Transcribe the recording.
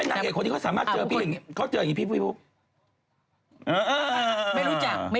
เออมันมีสัมมาคราวะ